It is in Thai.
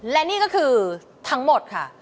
และนี่ก็คือทั้งหมดค่ะ